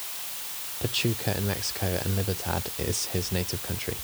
Pachuca in Mexico and Libertad in his native country.